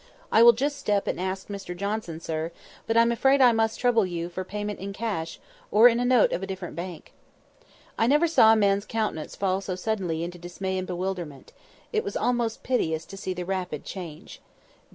I will just step and ask Mr Johnson, sir; but I'm afraid I must trouble you for payment in cash, or in a note of a different bank." I never saw a man's countenance fall so suddenly into dismay and bewilderment. It was almost piteous to see the rapid change.